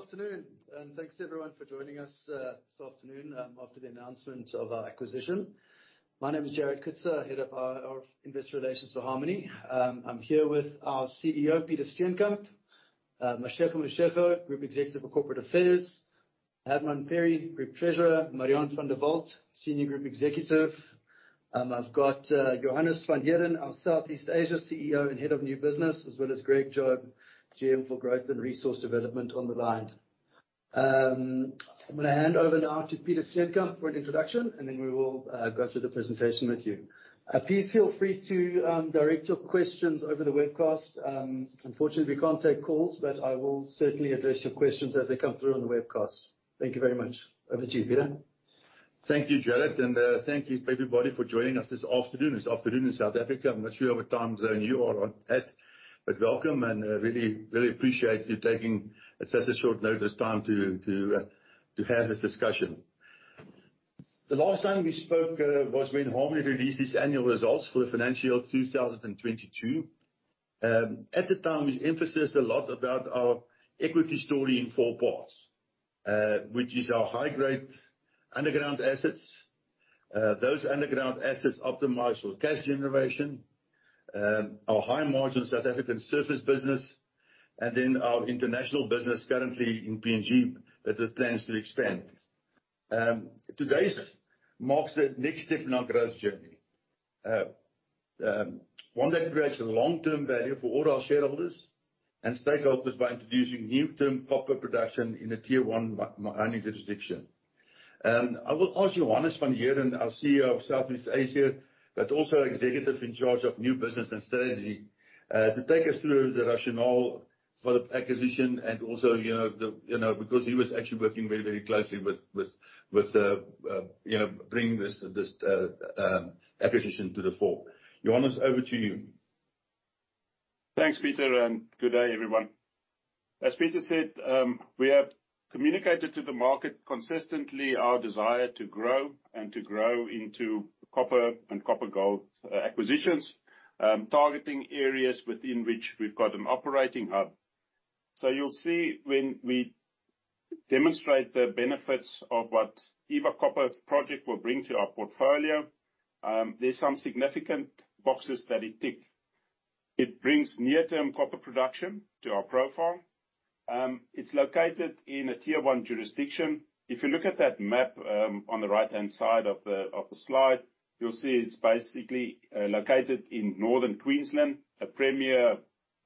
Good afternoon, and thanks everyone for joining us this afternoon after the announcement of our acquisition. My name is Jared Coetzer, Head of our Investor Relations for Harmony. I'm here with our CEO, Peter Steenkamp, Mashego Mashego, Group Executive of Corporate Affairs, Herman Perry, Group Treasurer, Marian van der Walt, Senior Group Executive. I've got Johannes van Heerden, our Southeast Asia CEO and Head of New Business, as well as Greg Job, GM for Growth and Resource Development on the line. I'm gonna hand over now to Peter Steenkamp for an introduction, and then we will go through the presentation with you. Please feel free to direct your questions over the webcast. Unfortunately, we can't take calls, but I will certainly address your questions as they come through on the webcast. Thank you very much. Over to you, Peter. Thank you, Jared, and thank you everybody for joining us this afternoon. It's afternoon in South Africa. I'm not sure what time zone you are on at, but welcome and really, really appreciate you taking such a short notice time to have this discussion. The last time we spoke was when Harmony released its annual results for the financial year of 2022. At the time, we emphasized a lot about our equity story in four parts, which is our high-grade underground assets. Those underground assets optimized for cash generation, our high-margin South African surface business, and then our international business currently in PNG with the plans to expand. Today's marks the next step in our growth journey. One that creates long-term value for all our shareholders and stakeholders by introducing new term copper production in a Tier 1 mining jurisdiction. I will ask Johannes van Heerden, our CEO of Southeast Asia, but also executive in charge of new business and strategy, to take us through the rationale for the acquisition and also, you know, because he was actually working very closely with, you know, bringing this acquisition to the fore. Johannes, over to you. Thanks, Peter, and good day, everyone. As Peter said, we have communicated to the market consistently our desire to grow and to grow into copper and copper-gold acquisitions, targeting areas within which we've got an operating hub. You'll see when we demonstrate the benefits of what Eva Copper Project will bring to our portfolio, there's some significant boxes that it ticked. It brings near-term copper production to our profile. It's located in a tier one jurisdiction. If you look at that map on the right-hand side of the slide, you'll see it's basically located in northern Queensland, a premier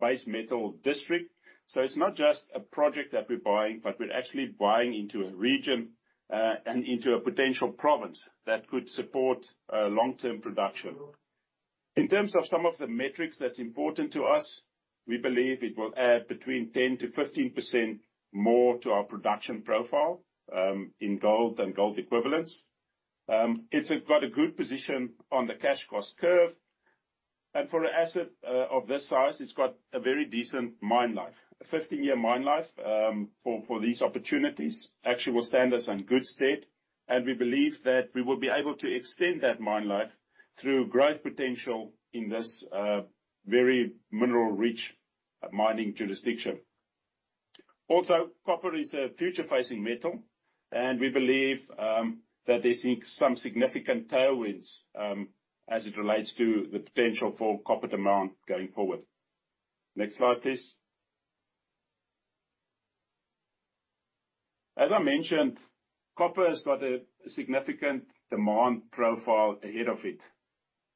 base metal district. It's not just a project that we're buying, but we're actually buying into a region and into a potential province that could support long-term production. In terms of some of the metrics that's important to us, we believe it will add between 10%-15% more to our production profile in gold and gold equivalents. It's got a good position on the cash cost curve, and for an asset of this size, it's got a very decent mine life. A 15-year mine life for these opportunities actually will stand us in good stead, and we believe that we will be able to extend that mine life through growth potential in this very mineral-rich mining jurisdiction. Also, copper is a future-facing metal, and we believe that there's been some significant tailwinds as it relates to the potential for copper demand going forward. Next slide, please. As I mentioned, copper has got a significant demand profile ahead of it.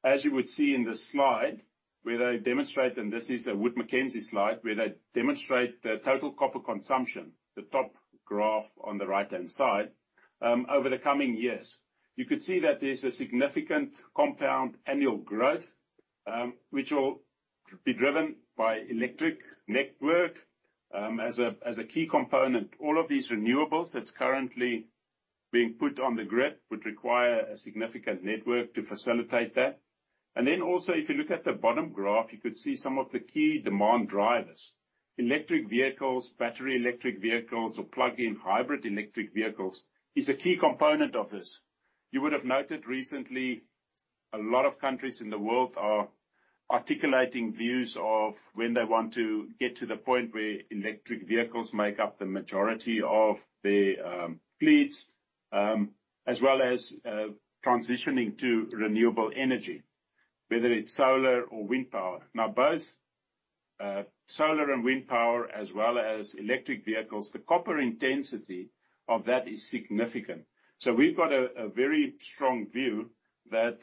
As you would see in this slide, where they demonstrate, and this is a Wood Mackenzie slide, where they demonstrate the total copper consumption, the top graph on the right-hand side, over the coming years. You could see that there's a significant compound annual growth, which will be driven by electric network, as a key component. All of these renewables that's currently being put on the grid would require a significant network to facilitate that. Then also, if you look at the bottom graph, you could see some of the key demand drivers. Electric vehicles, battery electric vehicles or plug-in hybrid electric vehicles is a key component of this. You would have noted recently a lot of countries in the world are articulating views of when they want to get to the point where electric vehicles make up the majority of their fleets, as well as transitioning to renewable energy, whether it's solar or wind power. Now, both solar and wind power as well as electric vehicles, the copper intensity of that is significant. We've got a very strong view that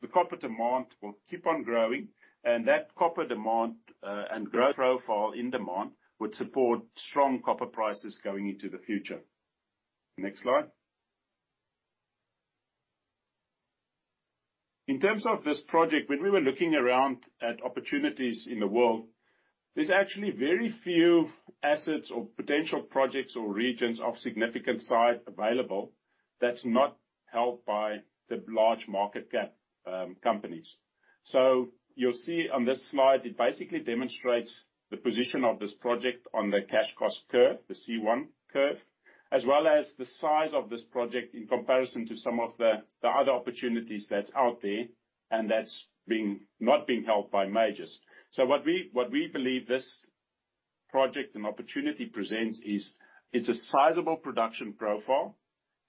the copper demand will keep on growing and that copper demand and growth profile in demand would support strong copper prices going into the future. Next slide. In terms of this project, when we were looking around at opportunities in the world, there's actually very few assets or potential projects or regions of significant size available that's not held by the large market cap companies. You'll see on this slide, it basically demonstrates the position of this project on the cash cost curve, the C1 curve. As well as the size of this project in comparison to some of the other opportunities that's out there, and that's not being held by majors. What we believe this project and opportunity presents is, it's a sizable production profile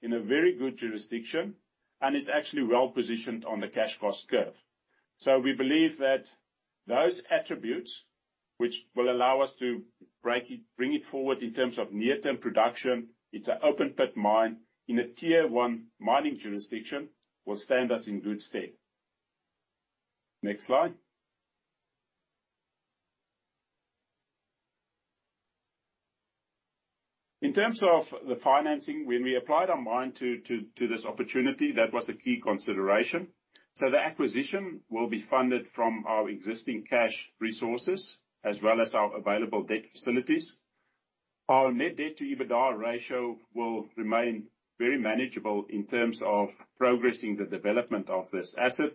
in a very good jurisdiction, and it's actually well-positioned on the cash cost curve. We believe that those attributes, which will allow us to bring it forward in terms of near-term production, it's an open pit mine in a tier one mining jurisdiction, will stand us in good stead. Next slide. In terms of the financing, when we applied our mind to this opportunity, that was a key consideration. The acquisition will be funded from our existing cash resources as well as our available debt facilities. Our net debt to EBITDA ratio will remain very manageable in terms of progressing the development of this asset.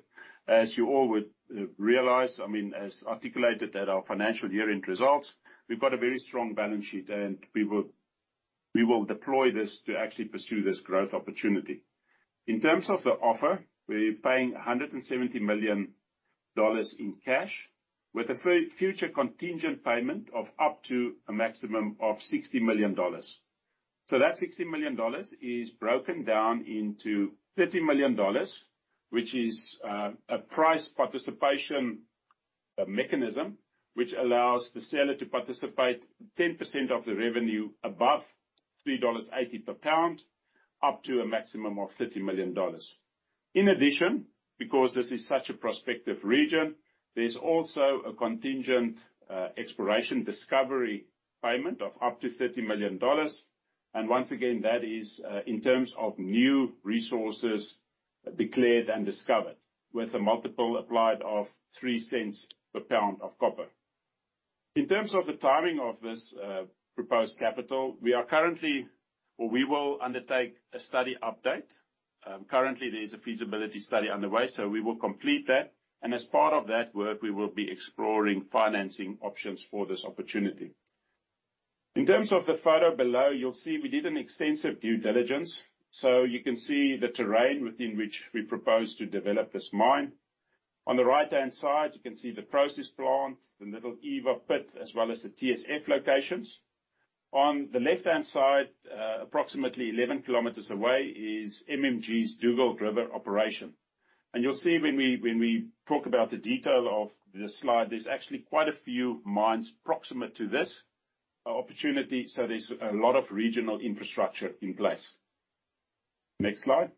As you all would realize, I mean, as articulated at our financial year-end results, we've got a very strong balance sheet, and we will deploy this to actually pursue this growth opportunity. In terms of the offer, we're paying $170 million in cash with a future contingent payment of up to a maximum of $60 million. That $60 million is broken down into $30 million, which is a price participation mechanism, which allows the seller to participate 10% of the revenue above $3.80 per pound, up to a maximum of $30 million. In addition, because this is such a prospective region, there's also a contingent exploration discovery payment of up to $30 million. Once again, that is in terms of new resources declared and discovered with a multiple applied of 3 cents per pound of copper. In terms of the timing of this proposed capital, we will undertake a study update. Currently, there is a feasibility study underway, so we will complete that. As part of that work, we will be exploring financing options for this opportunity. In terms of the photo below, you'll see we did an extensive due diligence. You can see the terrain within which we propose to develop this mine. On the right-hand side, you can see the process plant, the Little Eva pit, as well as the TSF locations. On the left-hand side, approximately 11 kilometers away is MMG's Dugald River operation. You'll see when we talk about the detail of this slide, there's actually quite a few mines proximate to this opportunity. There's a lot of regional infrastructure in place. Next slide.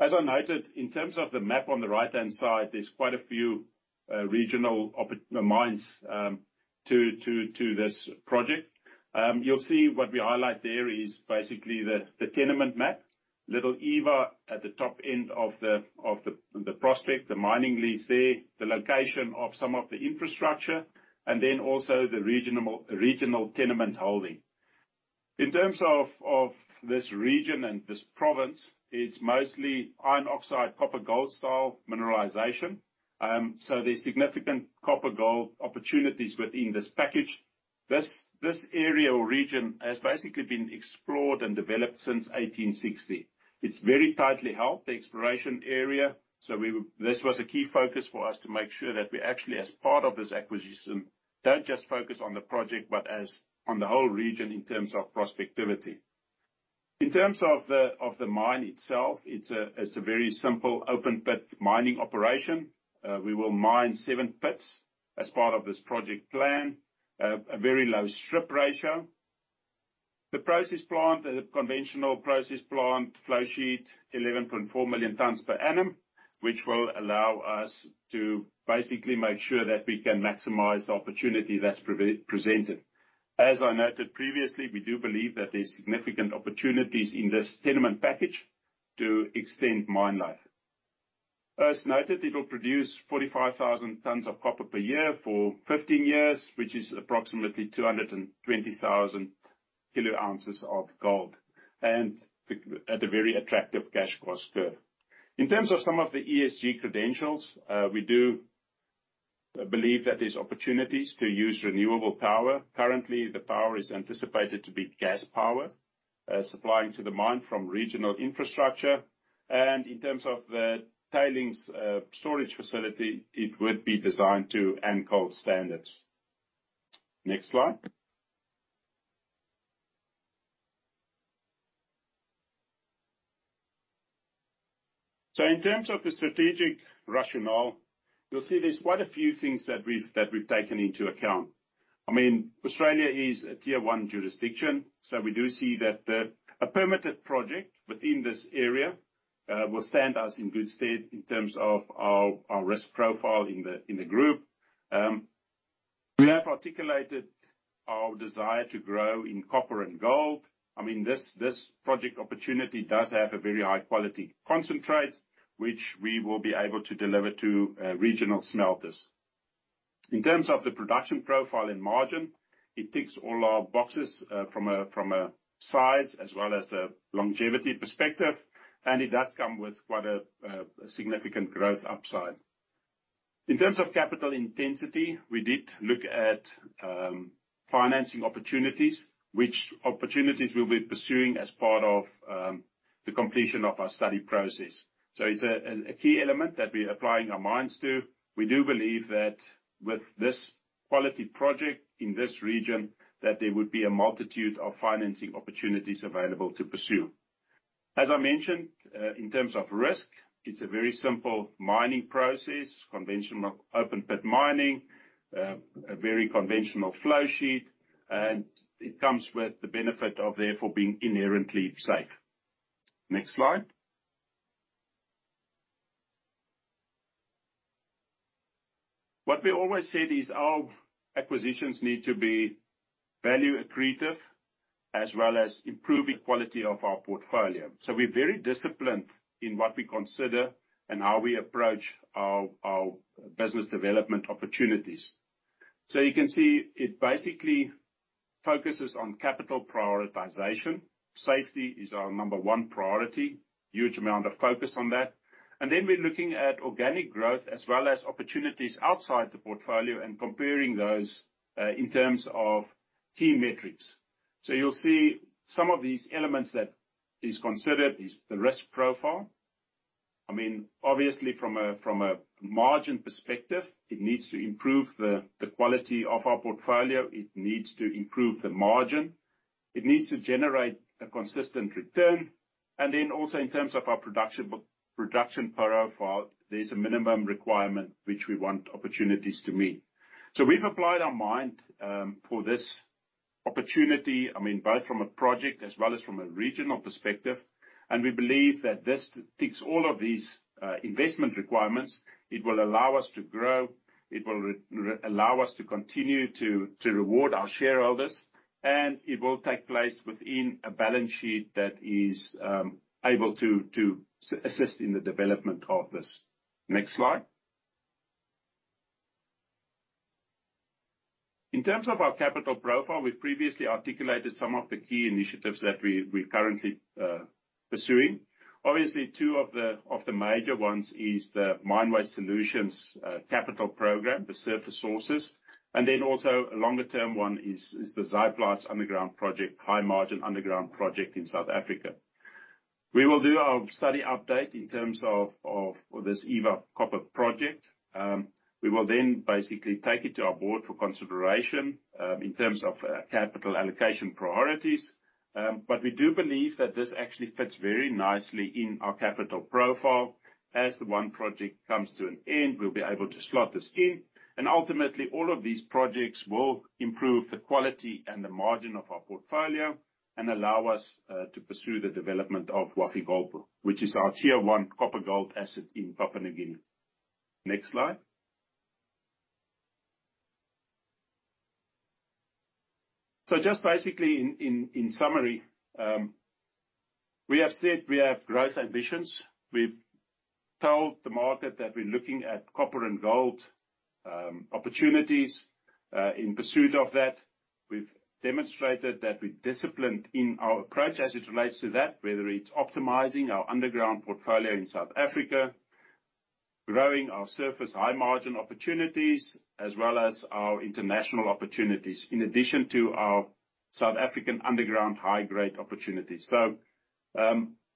As I noted, in terms of the map on the right-hand side, there's quite a few regional mines to this project. You'll see what we highlight there is basically the tenement map. Little Eva at the top end of the prospect, the mining lease there, the location of some of the infrastructure, and then also the regional tenement holding. In terms of this region and this province, it's mostly iron oxide, copper, gold style mineralization. There's significant copper, gold opportunities within this package. This area or region has basically been explored and developed since 1860. It's very tightly held, the exploration area. This was a key focus for us to make sure that we actually, as part of this acquisition, don't just focus on the project, but on the whole region in terms of prospectivity. In terms of the mine itself, it's a very simple open pit mining operation. We will mine 7 pits as part of this project plan, a very low strip ratio. The process plant is a conventional process plant, flow sheet 11.4 million tons per annum, which will allow us to basically make sure that we can maximize the opportunity that's presented. As I noted previously, we do believe that there's significant opportunities in this tenement package to extend mine life. As noted, it'll produce 45,000 tons of copper per year for 15 years, which is approximately 220,000 kilo ounces of gold, and at a very attractive cash cost curve. In terms of some of the ESG credentials, we do believe that there's opportunities to use renewable power. Currently, the power is anticipated to be gas power, supplying to the mine from regional infrastructure. In terms of the tailings storage facility, it would be designed to ANCOLD standards. Next slide. In terms of the strategic rationale, you'll see there's quite a few things that we've taken into account. I mean, Australia is a Tier 1 jurisdiction, so we do see that a permitted project within this area will stand us in good stead in terms of our risk profile in the group. We have articulated our desire to grow in copper and gold. I mean, this project opportunity does have a very high-quality concentrate, which we will be able to deliver to regional smelters. In terms of the production profile and margin, it ticks all our boxes from a size as well as a longevity perspective, and it does come with quite a significant growth upside. In terms of capital intensity, we did look at financing opportunities, which opportunities we'll be pursuing as part of the completion of our study process. It's a key element that we're applying our minds to. We do believe that with this quality project in this region, that there would be a multitude of financing opportunities available to pursue. As I mentioned, in terms of risk, it's a very simple mining process, conventional open pit mining, a very conventional flow sheet, and it comes with the benefit of therefore being inherently safe. Next slide. What we always said is our acquisitions need to be value accretive as well as improving quality of our portfolio. We're very disciplined in what we consider and how we approach our business development opportunities. You can see it basically focuses on capital prioritization. Safety is our number one priority. Huge amount of focus on that. We're looking at organic growth as well as opportunities outside the portfolio and comparing those in terms of key metrics. You'll see some of these elements that is considered the risk profile. I mean, obviously from a margin perspective, it needs to improve the quality of our portfolio. It needs to improve the margin. It needs to generate a consistent return. also in terms of our production profile, there's a minimum requirement which we want opportunities to meet. We've applied our mind for this opportunity, I mean, both from a project as well as from a regional perspective. We believe that this ticks all of these investment requirements. It will allow us to grow, it will allow us to continue to reward our shareholders, and it will take place within a balance sheet that is able to assist in the development of this. Next slide. In terms of our capital profile, we've previously articulated some of the key initiatives that we're currently pursuing. Obviously, two of the major ones is the Mine Waste Solutions capital program, the surface sources, and then also a longer term one is the Zaaiplaats underground project, high margin underground project in South Africa. We will do our study update in terms of this Eva Copper project. We will then basically take it to our board for consideration in terms of capital allocation priorities. We do believe that this actually fits very nicely in our capital profile. As the one project comes to an end, we'll be able to slot this in. Ultimately, all of these projects will improve the quality and the margin of our portfolio and allow us to pursue the development of Wafi-Golpu, which is our Tier 1 copper-gold asset in Papua New Guinea. Next slide. Just basically in summary, we have said we have growth ambitions. We've told the market that we're looking at copper and gold opportunities. In pursuit of that, we've demonstrated that we're disciplined in our approach as it relates to that, whether it's optimizing our underground portfolio in South Africa, growing our surface high-margin opportunities, as well as our international opportunities, in addition to our South African underground high-grade opportunities.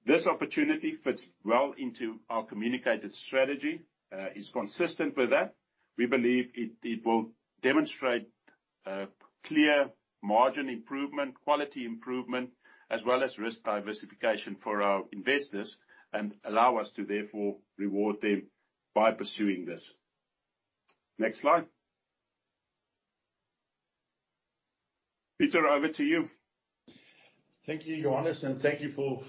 This opportunity fits well into our communicated strategy, is consistent with that. We believe it will demonstrate a clear margin improvement, quality improvement, as well as risk diversification for our investors and allow us to therefore reward them by pursuing this. Next slide. Peter, over to you. Thank you, Johannes, and thank you for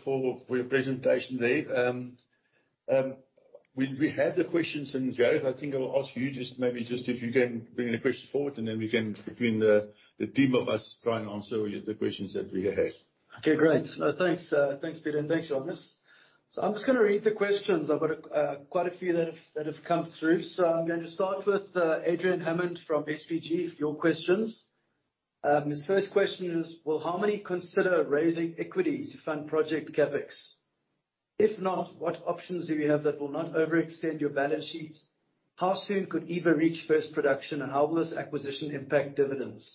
your presentation today. We have the questions, and, Jared, I think I'll ask you just maybe just if you can bring the questions forward, and then we can, between the team of us, try and answer the questions that we have. Okay, great. No, thanks, Peter, and thanks, Johannes. I'm just gonna read the questions. I've got quite a few that have come through. I'm going to start with Adrian Hammond from SBG Securities with your questions. His first question is, will Harmony consider raising equity to fund project CapEx? If not, what options do you have that will not overextend your balance sheets? How soon could Eva reach first production, and how will this acquisition impact dividends?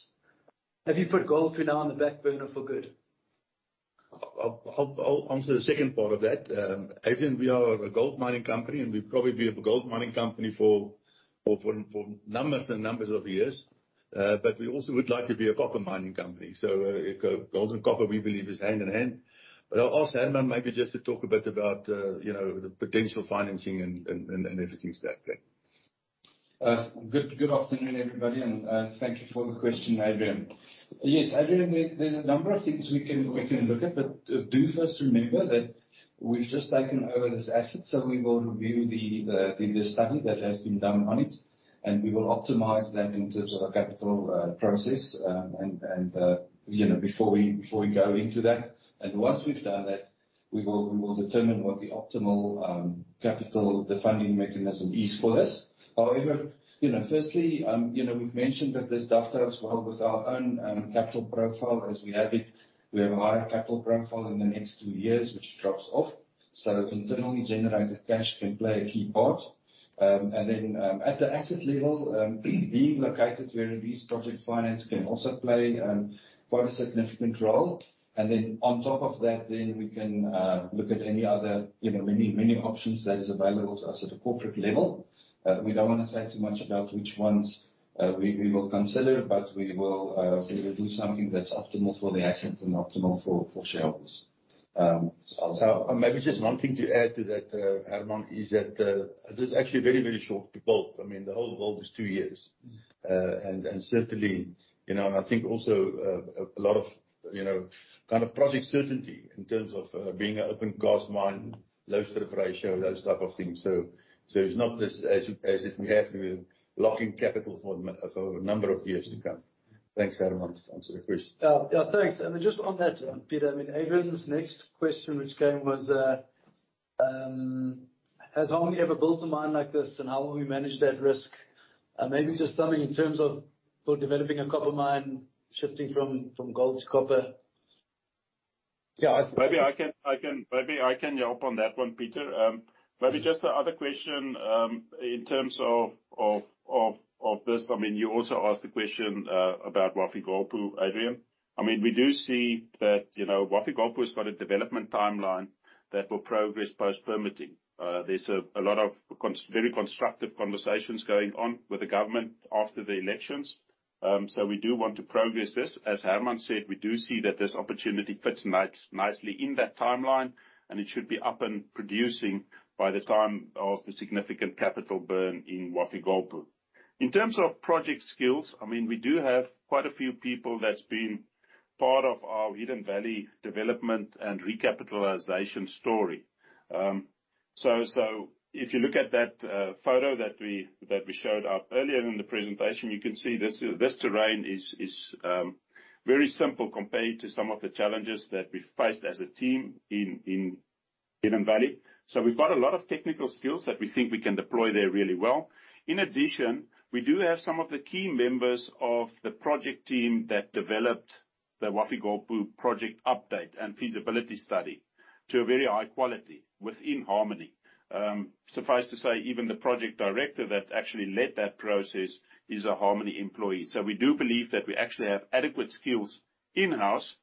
Have you put gold for now on the back burner for good? I'll answer the second part of that. Adrian, we are a gold mining company, and we'll probably be a gold mining company for numbers of years. We also would like to be a copper mining company. Gold and copper, we believe, is hand in hand. I'll ask Herman maybe just to talk a bit about you know, the potential financing and everything like that. Good afternoon, everybody, and thank you for the question, Adrian. Yes, Adrian, there's a number of things we can look at, but do let us remember that we've just taken over this asset, so we will review the study that has been done on it, and we will optimize that in terms of the capital process. You know, before we go into that. Once we've done that, we will determine what the optimal capital, the funding mechanism is for this. However. You know, firstly, you know, we've mentioned that this dovetails well with our own capital profile. As we have it, we have a higher capital profile in the next two years, which drops off, so internally generated cash can play a key part. Then, at the asset level, being located where reduced project finance can also play quite a significant role. Then on top of that then we can look at any other, you know, many, many options that is available to us at a corporate level. We don't wanna say too much about which ones we will consider, but we will do something that's optimal for the assets and optimal for shareholders. So. Maybe just one thing to add to that, Herman, is that this is actually a very, very short period. I mean, the whole ordeal is two years. Mm-hmm. Certainly, you know, and I think also a lot of, you know, kind of project certainty in terms of being an open cast mine, low strip ratio, those type of things. It's not as if we have to lock in capital for a number of years to come. Thanks, Herman, to answer the question. Yeah. Yeah, thanks. Just on that, Peter, I mean, Adrian's next question which came was, has Harmony ever built a mine like this, and how will we manage that risk? Maybe just something in terms of for developing a copper mine, shifting from gold to copper. Yeah. Maybe I can help on that one, Peter. Maybe just the other question, in terms of this, I mean, you also asked the question about Wafi-Golpu, Adrian. I mean, we do see that, you know, Wafi-Golpu has got a development timeline that will progress post-permitting. There's a lot of very constructive conversations going on with the government after the elections. We do want to progress this. As Herman said, we do see that this opportunity fits nicely in that timeline, and it should be up and producing by the time of the significant capital burn in Wafi-Golpu. In terms of project skills, I mean, we do have quite a few people that's been part of our Hidden Valley development and recapitalization story. If you look at that photo that we showed up earlier in the presentation, you can see this terrain is very simple compared to some of the challenges that we faced as a team in Hidden Valley. We've got a lot of technical skills that we think we can deploy there really well. In addition, we do have some of the key members of the project team that developed the Wafi-Golpu project update and feasibility study to a very high quality within Harmony. Suffice to say, even the project director that actually led that process is a Harmony employee. We do believe that we actually have adequate skills in-house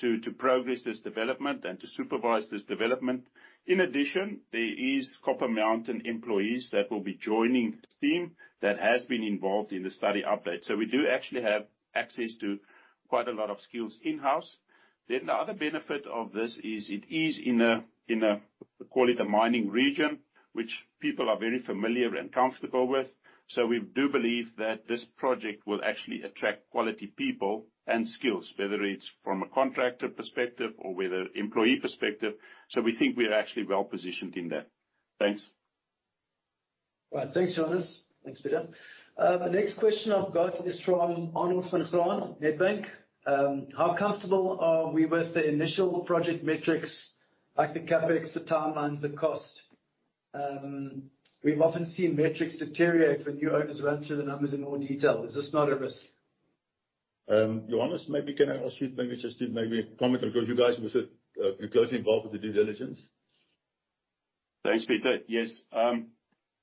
to progress this development and to supervise this development. In addition, there is Copper Mountain employees that will be joining the team that has been involved in the study update. We do actually have access to quite a lot of skills in-house. The other benefit of this is it is in a, call it, a mining region, which people are very familiar and comfortable with. We do believe that this project will actually attract quality people and skills, whether it's from a contractor perspective or whether employee perspective. We think we're actually well-positioned in that. Thanks. All right. Thanks, Johannes. Thanks, Peter. The next question I've got is from Arnold Van Graan, Nedbank. How comfortable are we with the initial project metrics like the CapEx, the timelines, the cost? We've often seen metrics deteriorate when new owners run through the numbers in more detail. Is this not a risk? Johannes, maybe can I ask you maybe just to maybe comment on, 'cause you guys were so closely involved with the due diligence? Thanks, Peter. Yes.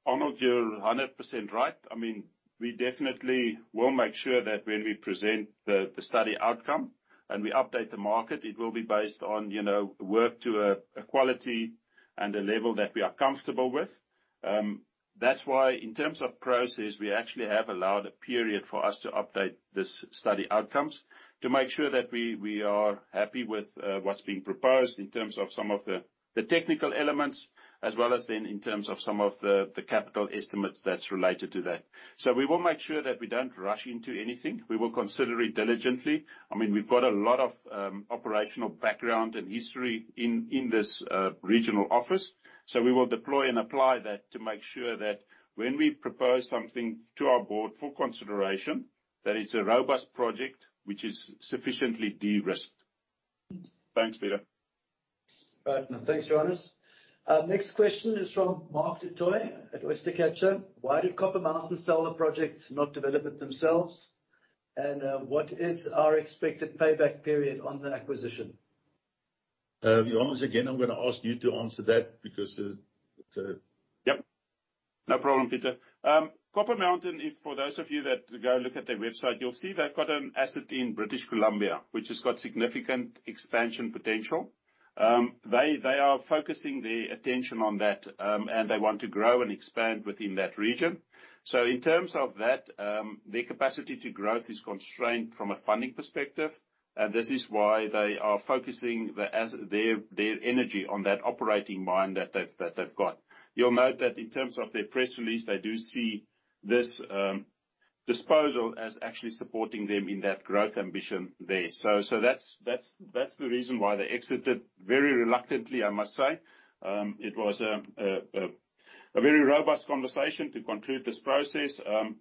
Arnold, you're 100% right. I mean, we definitely will make sure that when we present the study outcome and we update the market, it will be based on, you know, work to a quality and a level that we are comfortable with. That's why in terms of process, we actually have allowed a period for us to update this study outcomes to make sure that we are happy with what's being proposed in terms of some of the technical elements, as well as then in terms of some of the capital estimates that's related to that. We will make sure that we don't rush into anything. We will consider it diligently. I mean, we've got a lot of operational background and history in this regional office. We will deploy and apply that to make sure that when we propose something to our board for consideration, that it's a robust project which is sufficiently de-risked. Thanks, Peter. All right. No, thanks, Johannes. Next question is from Mark du Toit at OysterCatcher Investments. Why did Copper Mountain Mining Corporation sell the projects, not develop it themselves? And, what is our expected payback period on the acquisition? Johannes, again, I'm gonna ask you to answer that because Yep. No problem, Peter. Copper Mountain, if for those of you that go look at their website, you'll see they've got an asset in British Columbia, which has got significant expansion potential. They are focusing their attention on that, and they want to grow and expand within that region. In terms of that, their capacity to grow is constrained from a funding perspective, and this is why they are focusing their energy on that operating mine that they've got. You'll note that in terms of their press release, they do see this disposal as actually supporting them in that growth ambition there. That's the reason why they exited very reluctantly, I must say. It was a very robust conversation to conclude this process.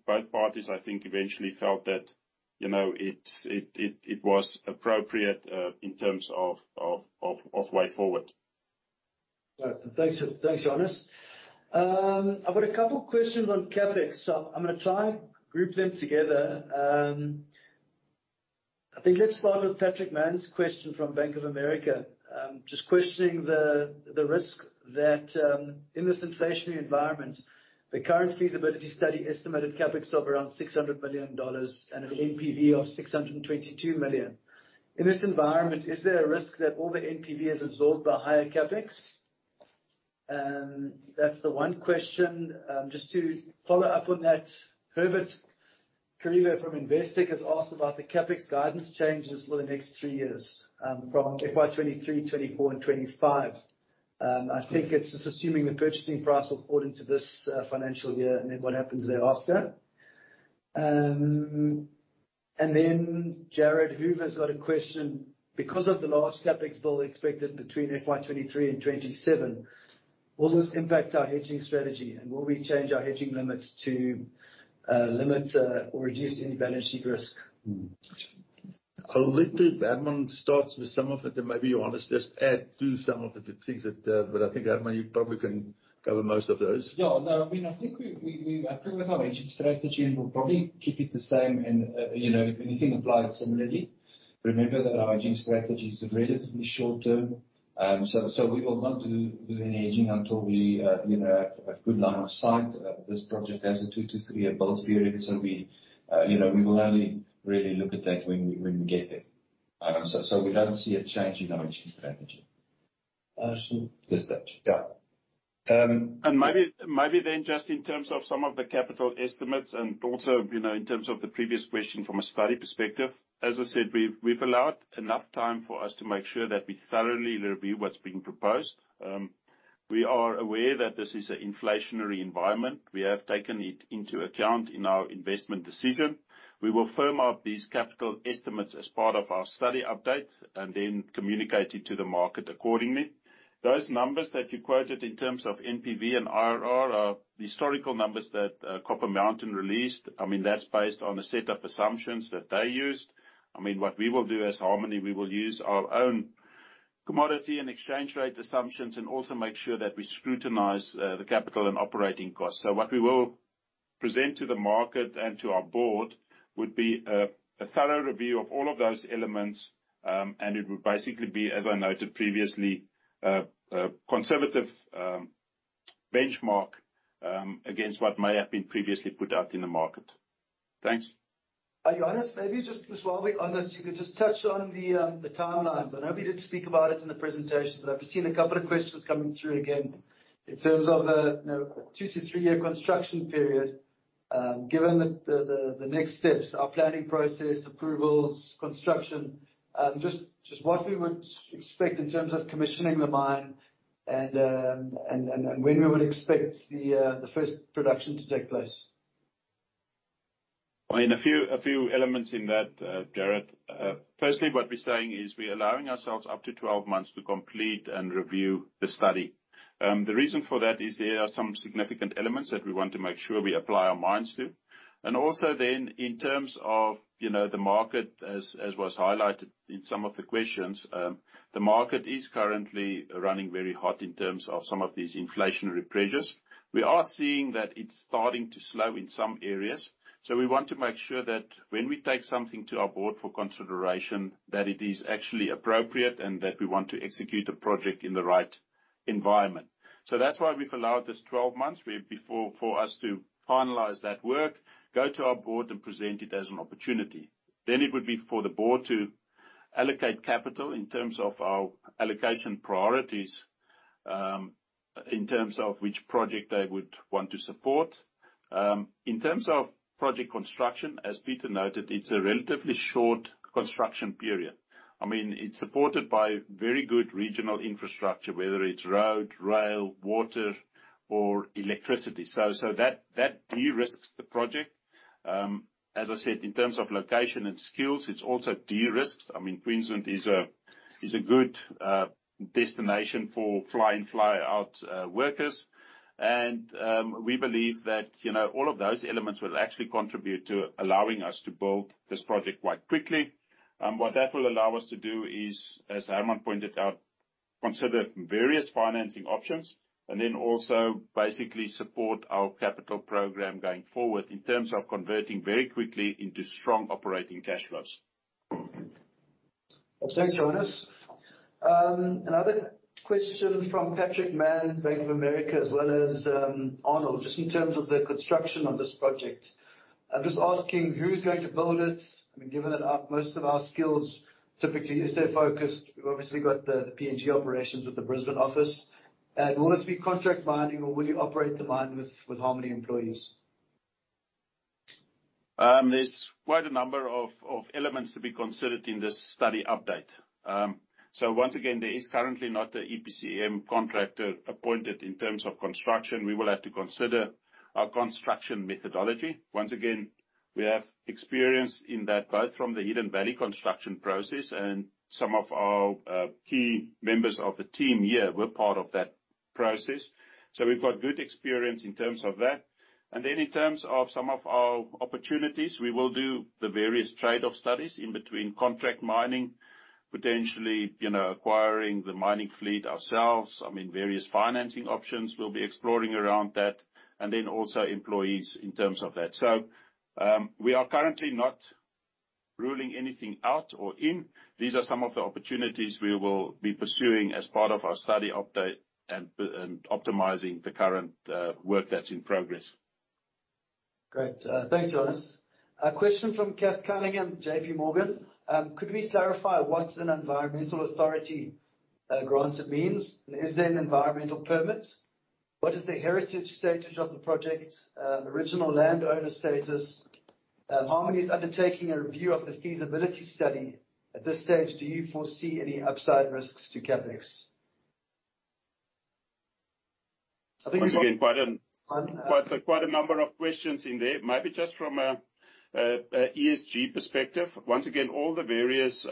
Both parties I think eventually felt that, you know, it was appropriate in terms of way forward. All right. Thanks, Johannes. I've got a couple questions on CapEx, so I'm gonna try to group them together. I think let's start with Patrick Mann's question from Bank of America, just questioning the risk that in this inflationary environment, the current feasibility study estimated CapEx of around $600 million and an NPV of $622 million. In this environment, is there a risk that all the NPV is absorbed by higher CapEx? That's the one question. Just to follow up on that, Herbert Karalus from Investec has asked about the CapEx guidance changes for the next three years, from FY 2023, 2024 and 2025. I think it's just assuming the purchase price will fall into this financial year and then what happens thereafter. Jared Hoover's got a question. Because of the large CapEx bill expected between FY23 and 2027, will this impact our hedging strategy and will we change our hedging limits to limit or reduce any balance sheet risk? I'll let Herman start with some of it, and maybe Johannes just add to some of the things that. I think, Herman, you probably can cover most of those. Yeah, no, I mean, I think we are cool with our hedging strategy, and we'll probably keep it the same and, you know, if anything, apply it similarly. Remember that our hedging strategy is relatively short-term, so we will not do any hedging until we, you know, have a good line of sight. This project has a 2-3-year build period, so we, you know, we will only really look at that when we get there. So we don't see a change in our hedging strategy. Understood. This stage. Yeah. Maybe then just in terms of some of the capital estimates and also, you know, in terms of the previous question from a study perspective, as I said, we've allowed enough time for us to make sure that we thoroughly review what's being proposed. We are aware that this is an inflationary environment. We have taken it into account in our investment decision. We will firm up these capital estimates as part of our study update and then communicate it to the market accordingly. Those numbers that you quoted in terms of NPV and IRR are historical numbers that Copper Mountain released. I mean, that's based on a set of assumptions that they used. I mean, what we will do as Harmony, we will use our own commodity and exchange rate assumptions and also make sure that we scrutinize the capital and operating costs. What we will present to the market and to our board would be a thorough review of all of those elements, and it would basically be, as I noted previously, a conservative benchmark against what may have been previously put out in the market. Thanks. Johannes, maybe just while we're on this, you could just touch on the timelines. I know we did speak about it in the presentation, but I've seen a couple of questions coming through again. In terms of, you know, two to three-year construction period, given the next steps, our planning process, approvals, construction, just what we would expect in terms of commissioning the mine and when we would expect the first production to take place. I mean, a few elements in that, Jared. Firstly, what we're saying is we're allowing ourselves up to 12 months to complete and review the study. The reason for that is there are some significant elements that we want to make sure we apply our minds to. Also then in terms of, you know, the market, as was highlighted in some of the questions, the market is currently running very hot in terms of some of these inflationary pressures. We are seeing that it's starting to slow in some areas. We want to make sure that when we take something to our board for consideration, that it is actually appropriate and that we want to execute a project in the right environment. That's why we've allowed this 12 months. For us to finalize that work, go to our board and present it as an opportunity. Then it would be for the board to allocate capital in terms of our allocation priorities, in terms of which project they would want to support. In terms of project construction, as Peter noted, it's a relatively short construction period. I mean, it's supported by very good regional infrastructure, whether it's road, rail, water, or electricity. So that de-risks the project. As I said, in terms of location and skills, it's also de-risked. I mean, Queensland is a good destination for fly-in, fly-out workers. We believe that, you know, all of those elements will actually contribute to allowing us to build this project quite quickly. What that will allow us to do is, as Herman pointed out, consider various financing options and then also basically support our capital program going forward in terms of converting very quickly into strong operating cash flows. Thanks, Johannes van Heerden. Another question from Patrick Mann, Bank of America, as well as Arnold Van Graan, just in terms of the construction of this project. I'm just asking who's going to build it. I mean, given that our most of our skills typically USA focused, we've obviously got the PNG operations with the Brisbane office. Will this be contract mining or will you operate the mine with Harmony employees? There's quite a number of elements to be considered in this study update. Once again, there is currently not an EPCM contractor appointed in terms of construction. We will have to consider our construction methodology. Once again, we have experience in that, both from the Hidden Valley construction process and some of our key members of the team here were part of that process. We've got good experience in terms of that. In terms of some of our opportunities, we will do the various trade-off studies in between contract mining, potentially, you know, acquiring the mining fleet ourselves. I mean, various financing options we'll be exploring around that, and then also employees in terms of that. We are currently not ruling anything out or in. These are some of the opportunities we will be pursuing as part of our study update and optimizing the current work that's in progress. Great. Thanks, Johannes. A question from Cath Cunningham, JPMorgan. Could we clarify what an environmental authority granted means? Is there an environmental permit? What is the heritage status of the project, the original landowner status? Harmony is undertaking a review of the feasibility study. At this stage, do you foresee any upside risks to CapEx? Once again, quite a number of questions in there. Maybe just from a ESG perspective. Once again, all the various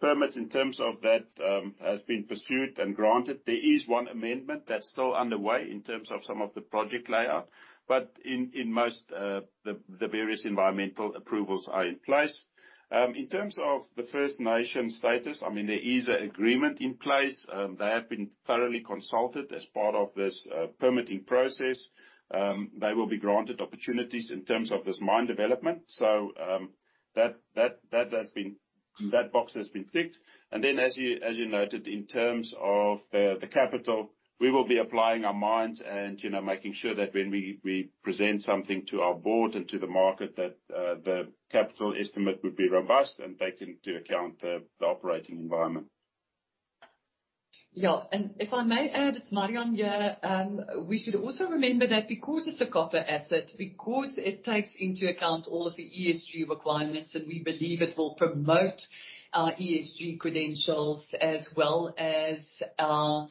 permits in terms of that has been pursued and granted. There is one amendment that's still underway in terms of some of the project layout. In most, the various environmental approvals are in place. In terms of the First Nations status, I mean, there is an agreement in place. They have been thoroughly consulted as part of this permitting process. They will be granted opportunities in terms of this mine development. That has been. That box has been ticked. As you noted, in terms of the capital, we will be applying our minds and, you know, making sure that when we present something to our board and to the market, that the capital estimate would be robust and take into account the operating environment. Yeah. If I may add, it's Marian here. We should also remember that because it's a copper asset, because it takes into account all of the ESG requirements, and we believe it will promote our ESG credentials as well as our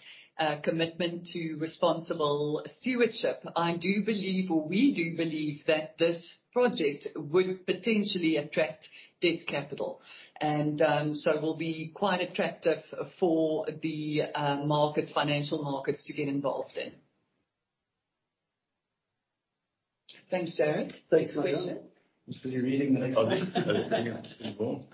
commitment to responsible stewardship, I do believe, or we do believe that this project would potentially attract debt capital. So will be quite attractive for the markets, financial markets to get involved in. Thanks, Sarah. Next question. Thanks, Marian. Thanks for the reading. Oh, yeah. No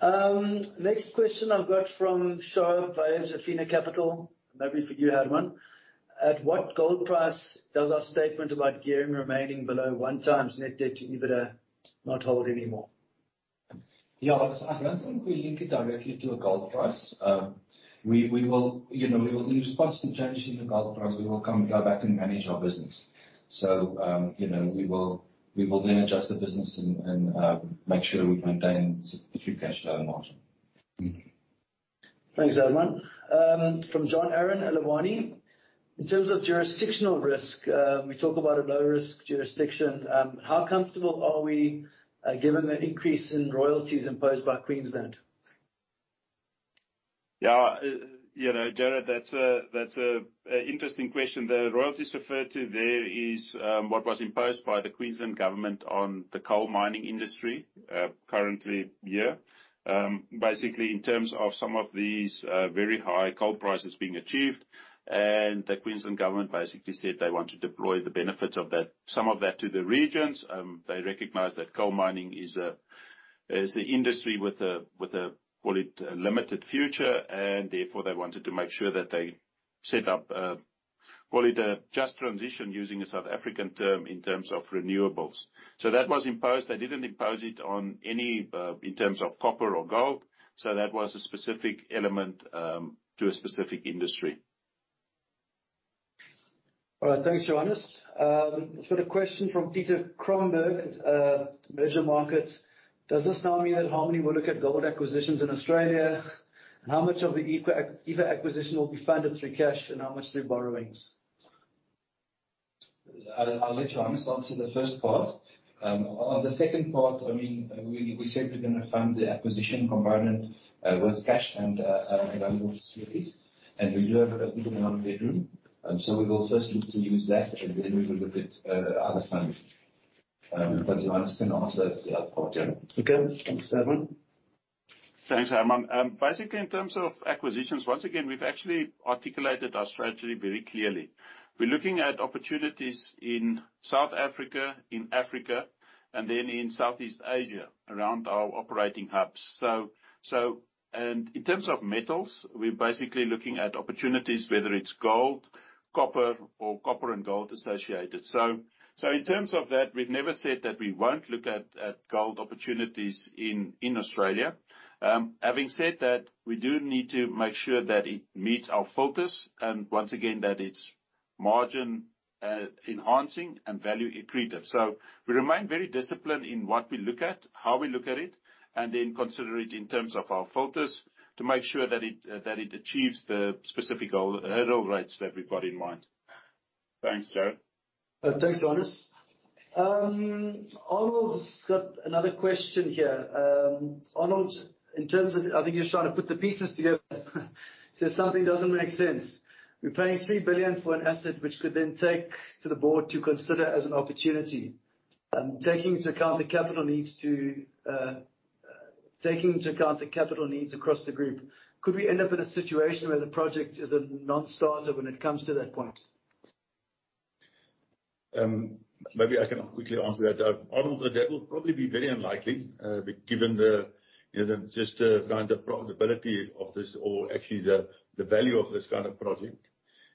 problem. Next question I've got from Shah Weeds, Avior Capital, [Sohail Pasha] maybe for you, Herman. At what gold price does our statement about gearing remaining below one times net debt to EBITDA not hold anymore? Yeah. I don't think we link it directly to a gold price. In response to changes in the gold price, we will come, go back and manage our business. You know, we will then adjust the business and make sure we maintain sufficient cash flow margin. Thanks, Herman. From John Aaron, Aluwani. In terms of jurisdictional risk, we talk about a low-risk jurisdiction. How comfortable are we, given the increase in royalties imposed by Queensland? Yeah. You know, John, that's an interesting question. The royalties referred to there is what was imposed by the Queensland Government on the coal mining industry, current year. Basically in terms of some of these very high coal prices being achieved. The Queensland Government basically said they want to deploy the benefits of that, some of that to the regions. They recognize that coal mining is an industry with a limited future, and therefore they wanted to make sure that they set up call it a just transition, using a South African term, in terms of renewables. That was imposed. They didn't impose it on any in terms of copper or gold, so that was a specific element to a specific industry. All right. Thanks, Johannes. Got a question from Peter Cromberge at Liberum Markets. Does this now mean that Harmony will look at gold acquisitions in Australia? How much of the Eva acquisition will be funded through cash and how much through borrowings? I'll let Johannes answer the first part. On the second part, I mean, we said we're gonna fund the acquisition component with cash and available facilities. We do have a good amount of headroom, so we will first look to use that, and then we will look at other funding. Johannes can answer the other part there. Okay. Thanks, Herman. Thanks, Herman. Basically, in terms of acquisitions, once again, we've actually articulated our strategy very clearly. We're looking at opportunities in South Africa, in Africa, and then in Southeast Asia around our operating hubs. In terms of metals, we're basically looking at opportunities, whether it's gold, copper, or copper and gold associated. In terms of that, we've never said that we won't look at gold opportunities in Australia. Having said that, we do need to make sure that it meets our focus and once again, that it's margin enhancing and value accretive. We remain very disciplined in what we look at, how we look at it, and then consider it in terms of our filters to make sure that it achieves the specific goal, hurdle rates that we've got in mind. Thanks, John. Thanks, Johannes. Arnold's got another question here. Arnold, in terms of. I think he's trying to put the pieces together. Says something doesn't make sense. We're paying 3 billion for an asset which could then take to the board to consider as an opportunity. Taking into account the capital needs across the group, could we end up in a situation where the project is a non-starter when it comes to that point? Maybe I can quickly answer that. Arnold, that will probably be very unlikely, given the, you know, just the kind of profitability of this or actually the value of this kind of project.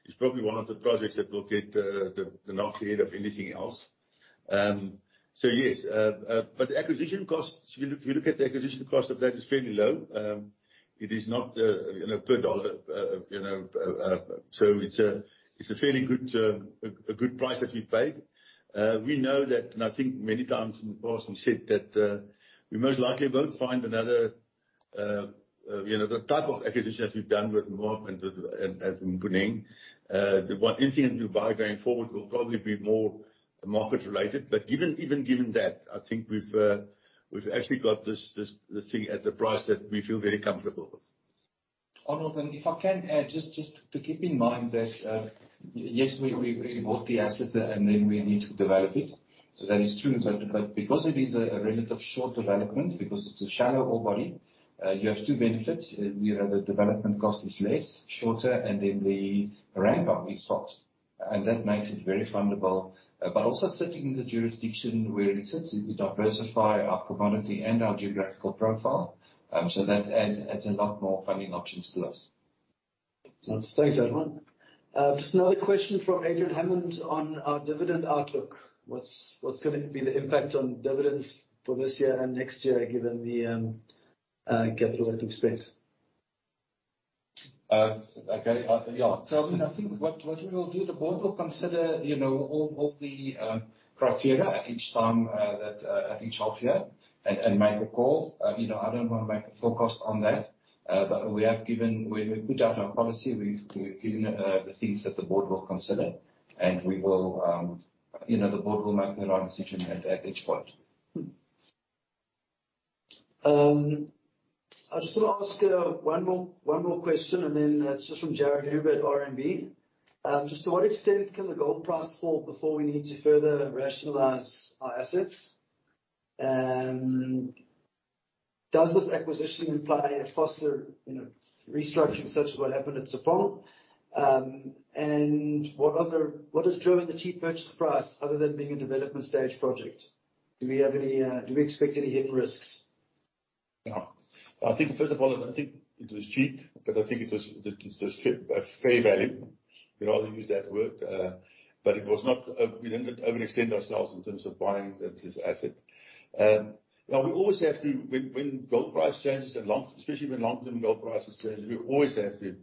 It's probably one of the projects that will get the nod ahead of anything else. So yes, but acquisition costs, if you look at the acquisition cost of that, it's fairly low. It is not, you know, per dollar, you know. So it's a fairly good, a good price that we paid. We know that, and I think many times in the past we said that, we most likely won't find another, you know, the type of acquisitions we've done with Moab and as in Kalgold. [Mponeng] Anything that we buy going forward will probably be more market related. Even given that, I think we've actually got this thing at a price that we feel very comfortable with. Arnold, if I can add, just to keep in mind that, yes, we bought the asset and then we need to develop it. That is true, but because it is a relatively short development, because it's a shallow ore body, you have two benefits. You know, the development cost is less, shorter, and then the ramp-up is fast. That makes it very fundable. Also sitting in the jurisdiction where it sits, it will diversify our commodity and our geographical profile. That adds a lot more funding options to us. Thanks, Edwin. Just another question from Adrian Hammond on our dividend outlook. What's going to be the impact on dividends for this year and next year, given the capital expenditure? Okay. Yeah. I mean, I think what we will do, the board will consider, you know, all the criteria at each half year and make a call. You know, I don't wanna make a forecast on that, but we have given, when we put out our policy, we've given the things that the board will consider, and we will, you know, the board will make their own decision at each point. I just want to ask one more question, and then it's just from Jared Hoover at RMB. Just to what extent can the gold price fall before we need to further rationalize our assets? And does this acquisition imply a faster, you know, restructuring such as what happened at Sibanye-Stillwater? And what is driving the cheap purchase price other than being a development stage project? Do we expect any hidden risks? I think first of all, I don't think it was cheap, but I think it was fair value. I'd rather use that word. But it was not. We didn't overextend ourselves in terms of buying this asset. We always have to. When gold price changes and especially when long-term gold prices change, we always have to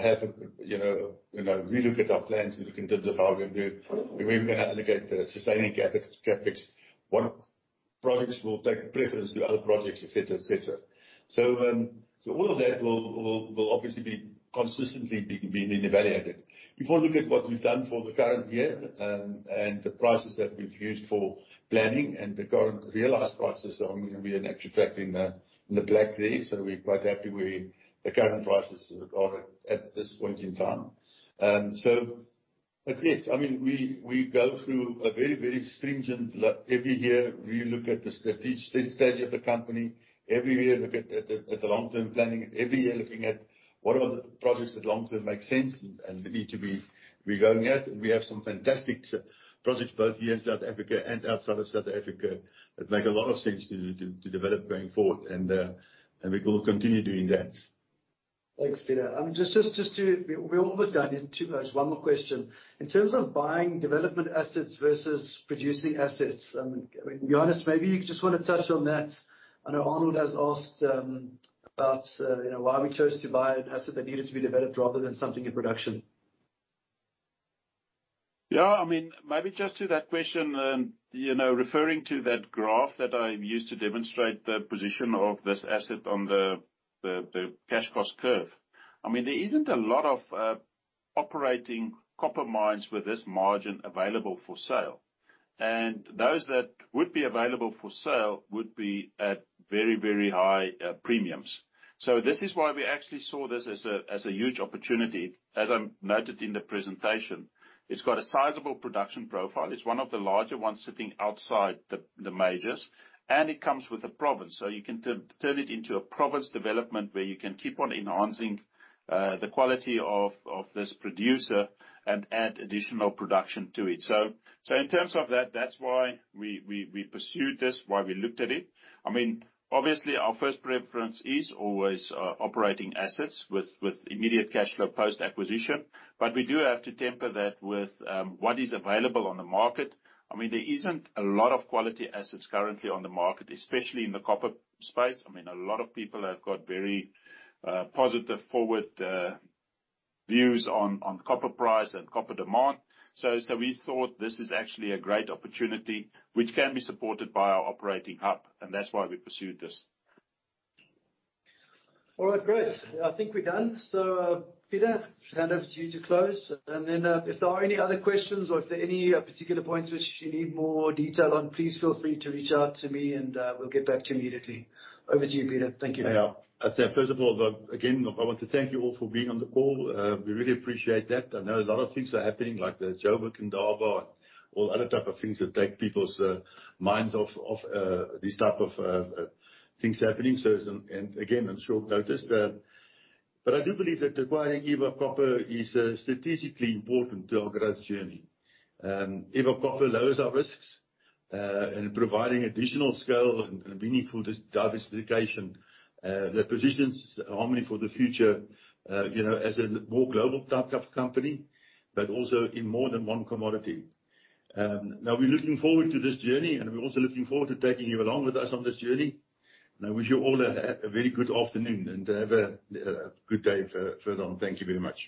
have you know relook at our plans in terms of how we're gonna do it, where we're gonna allocate the sustaining CapEx. What projects will take preference to other projects, et cetera, et cetera. All of that will obviously be consistently being evaluated. If you look at what we've done for the current year, and the prices that we've used for planning and the current realized prices, we are actually tracking in the black there, so we're quite happy where the current prices are at this point in time. Yes. I mean, we go through a very stringent look every year. We look at the strategic stage of the company. Every year look at the long-term planning. Every year looking at what are the projects that long-term make sense and need to be going at. We will continue doing that. Thanks, Peter. We're almost done. In two minutes. One more question. In terms of buying development assets versus producing assets, I mean, to be honest, maybe you just wanna touch on that. I know Arnold has asked about, you know, why we chose to buy an asset that needed to be developed rather than something in production. Yeah, I mean, maybe just to that question, you know, referring to that graph that I used to demonstrate the position of this asset on the cash cost curve. I mean, there isn't a lot of operating copper mines with this margin available for sale. And those that would be available for sale would be at very, very high premiums. This is why we actually saw this as a huge opportunity. As I noted in the presentation, it's got a sizable production profile. It's one of the larger ones sitting outside the majors, and it comes with a province. You can turn it into a province development where you can keep on enhancing the quality of this producer and add additional production to it. In terms of that's why we pursued this, why we looked at it. I mean, obviously our first preference is always operating assets with immediate cash flow post-acquisition. We do have to temper that with what is available on the market. I mean, there isn't a lot of quality assets currently on the market, especially in the copper space. I mean, a lot of people have got very positive forward views on copper price and copper demand. We thought this is actually a great opportunity which can be supported by our operating hub, and that's why we pursued this. All right. Great. I think we're done. Peter, I'll hand over to you to close. If there are any other questions or if there are any particular points which you need more detail on, please feel free to reach out to me and we'll get back to you immediately. Over to you, Peter. Thank you. Yeah. I'd say first of all, again, I want to thank you all for being on the call. We really appreciate that. I know a lot of things are happening like the Joburg Indaba or other type of things that take people's minds off these type of things happening. Again, on short notice. I do believe that acquiring Eva Copper is strategically important to our growth journey. Eva Copper lowers our risks in providing additional scale and meaningful diversification that positions Harmony for the future, you know, as a more global type of company, but also in more than one commodity. Now we're looking forward to this journey, and we're also looking forward to taking you along with us on this journey. I wish you all a very good afternoon and have a good day further on. Thank you very much.